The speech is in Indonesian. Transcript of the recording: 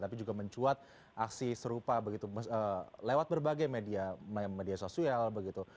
tapi juga mencuat aksi serupa begitu lewat berbagai media sosial begitu